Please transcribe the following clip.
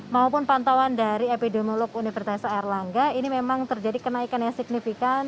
maupun pantauan dari epidemiolog universitas erlangga ini memang terjadi kenaikan yang signifikan